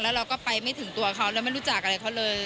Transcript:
แล้วเราก็ไปไม่ถึงตัวเขาแล้วไม่รู้จักอะไรเขาเลย